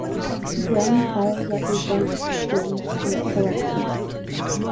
Brehm piles up a birds’ skins collection.